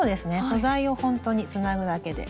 素材をほんとにつなぐだけで。